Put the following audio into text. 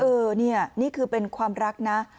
เออนี่นี่คือเป็นความรักนะ